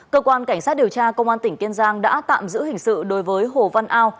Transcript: cơ quan cảnh sát điều tra công an tỉnh kiên giang đã tạm giữ hình sự đối với hồ văn ao